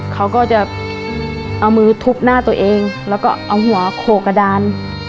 เขาก็จะเอามือทุบหน้าตัวเองแล้วก็เอาหัวโขกกระดาน